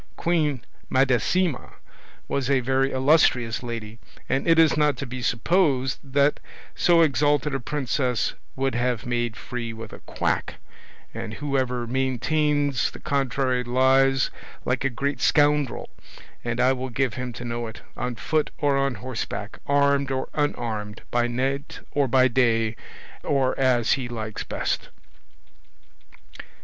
Queen Madasima was a very illustrious lady, and it is not to be supposed that so exalted a princess would have made free with a quack; and whoever maintains the contrary lies like a great scoundrel, and I will give him to know it, on foot or on horseback, armed or unarmed, by night or by day, or as he likes best."